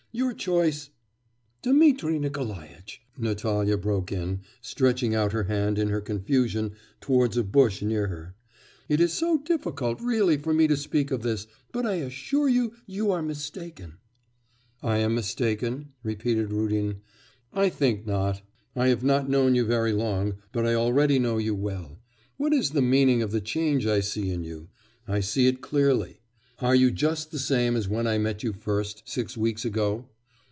Your choice ' 'Dmitri Nikolaitch,' Natalya broke in, stretching out her hand in her confusion towards a bush near her, 'it is so difficult, really, for me to speak of this; but I assure you... you are mistaken.' 'I am mistaken!' repeated Rudin. 'I think not. I have not known you very long, but I already know you well. What is the meaning of the change I see in you? I see it clearly. Are you just the same as when I met you first, six weeks ago?